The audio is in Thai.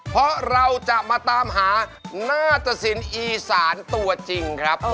เพราะเราจะมาตามหาหน้าตะสินอีสานตัวจริงครับ